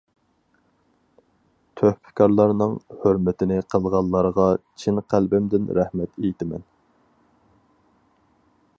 تۆھپىكارلارنىڭ ھۆرمىتىنى قىلغانلارغا چىن قەلبىمدىن رەھمەت ئېيتىمەن!